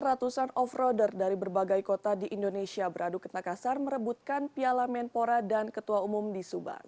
ratusan offroader dari berbagai kota di indonesia beradu ketakasar merebutkan piala menpora dan ketua umum di subang